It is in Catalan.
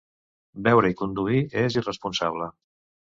Beure i conduir és irresponsable.